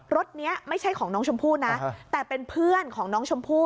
รถนี้ไม่ใช่ของน้องชมพู่นะแต่เป็นเพื่อนของน้องชมพู่